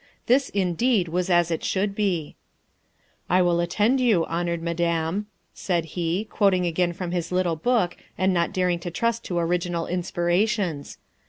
This, indeed, was as it should be. " I will attend you, honored Madam," said he, quoting again from his little book and not daring to trust to original inspirations.